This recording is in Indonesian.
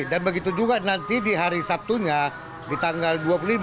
dan begitu juga nanti di hari sabtunya di tanggal dua puluh lima